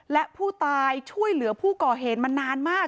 และผู้ตายช่วยเหลือผู้ก่อเหตุมานานมาก